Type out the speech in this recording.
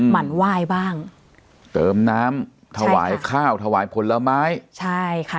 มันไหว้บ้างเติมน้ำถวายข้าวถวายผลไม้ใช่ค่ะ